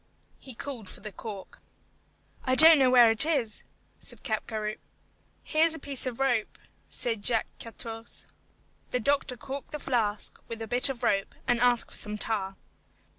He called for the cork. "I don't know where it is," said Capgaroupe. "Here is a piece of rope," said Jacques Quartourze. The doctor corked the flask with a bit of rope, and asked for some tar.